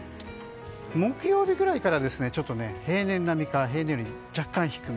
木曜日ぐらいから平年並みか平年より若干低め。